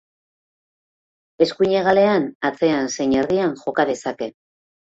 Eskuin hegalean, atzean zein erdian, joka dezake.